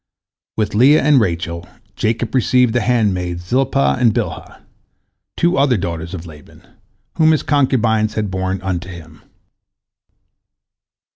With Leah and Rachel, Jacob received the handmaids Zilpah and Bilhah, two other daughters of Laban, whom his concubines had borne unto him.